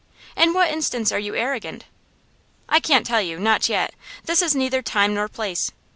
'In what instance are you arrogant?' 'I can't tell you not yet; this is neither time nor place.